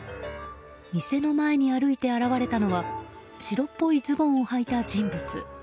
店の前に歩いて現れたのは白っぽいズボンをはいた人物。